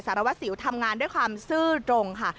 สารวัสสิวทำงานด้วยความซื่อตรงค่ะ